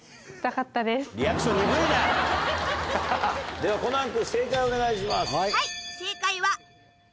ではコナン君正解をお願いします。